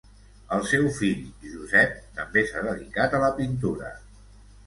El seu fill Josep també s'ha dedicat a la pintura.